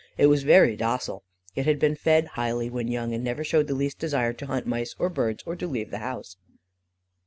It was very docile. It had been fed highly when young, and never showed the least desire to hunt mice or birds, or to leave the house.